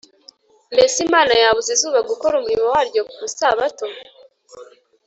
Mbese Imana yabuza izuba gukora umurimo waryo ku Isabato